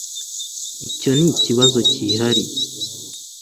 icyo nikibazo cyihariye